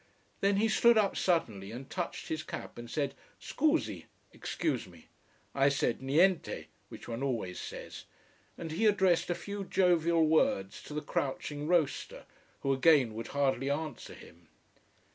Then he stood up suddenly and touched his cap and said Scusi excuse me. I said Niente, which one always says, and he addressed a few jovial words to the crouching roaster: who again would hardly answer him.